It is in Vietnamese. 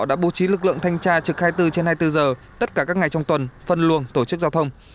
đã bố trí lực lượng thanh tra trực khai từ trên hai mươi bốn giờ tất cả các ngày trong tuần phân luồng tổ chức giao thông